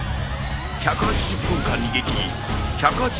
１８０分間逃げ切り１０８万